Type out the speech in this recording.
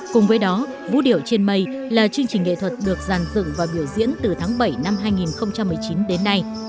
cùng với đó vũ điệu trên mây là chương trình nghệ thuật được giàn dựng và biểu diễn từ tháng bảy năm hai nghìn một mươi chín đến nay